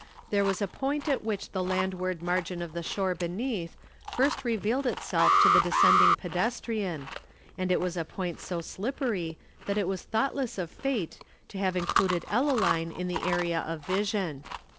There was a point at which the landward margin of the shore beneath first revealed itself to the descending pedestrian, and it was a point so slippery that it was thoughtless of Fate to have included Ellaline in the area of vision.